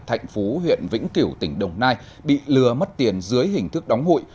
thạnh phú huyện vĩnh kiểu tỉnh đồng nai bị lừa mất tiền dưới hình thức đóng hụi